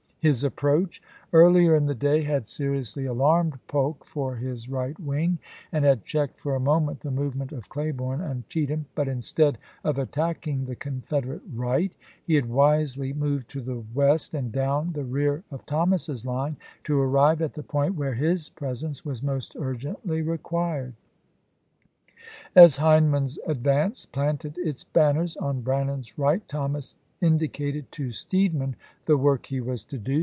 His approach, earlier in the day, had captain seriously alarmed Polk for his right wing, and had ^'^ /o^^ checked for a moment the movement of Cleburne "mstoS and Cheatham, but instead of attacking the Con Papers'^" federate right, he had wisely moved to the west p'22." and down the rear of Thomas's line, to arrive at the point where his presence was most urgently re quii ed. As Hindman's advance planted its banners on Brannan's right, Thomas indicated to Steedman the work he was to do.